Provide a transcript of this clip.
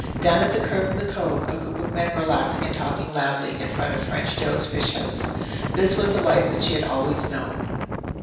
Down at the curve of the cove a group of men were laughing and talking loudly in front of French Joe's fish house. This was the life that she had always known.